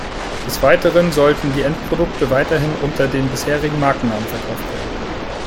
Des Weiteren sollten die Endprodukte weiterhin unter den bisherigen Markennamen verkauft werden.